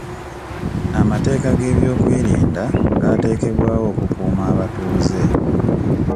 Amateeka g'ebyokwerinda gaateekebwawo okukuuma abatuuze.